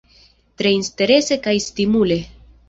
Tre interese kaj stimule.